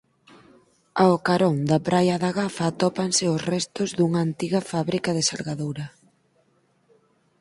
Ao carón da praia da Gafa atópanse os restos dunha antiga fábrica de salgadura.